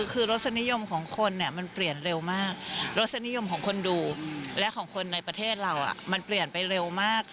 คือรสนิยมของคนเนี่ยมันเปลี่ยนเร็วมากรสนิยมของคนดูและของคนในประเทศเรามันเปลี่ยนไปเร็วมาก